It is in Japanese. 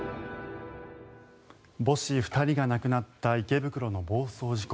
母子２人が亡くなった池袋の暴走事故。